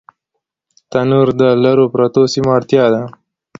تنور د لرو پرتو سیمو اړتیا ده